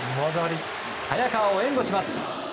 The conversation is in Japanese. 早川を援護します。